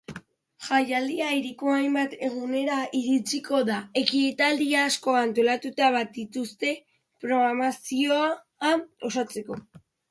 Jaialdia hiriko hainbat gunetara iritsiko da, ekitaldi asko antolatu baitituzte programazioa osatzeko.